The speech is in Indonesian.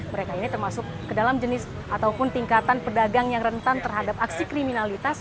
mereka ini termasuk ke dalam jenis ataupun tingkatan pedagang yang rentan terhadap aksi kriminalitas